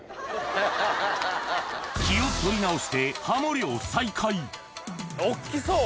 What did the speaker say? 気を取り直してハモ漁再開大っきそう。